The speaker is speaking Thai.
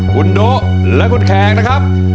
คุณโด๊ะและคุณแขกนะครับ